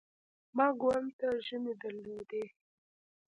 ما ګوند ته ژمنې درلودې.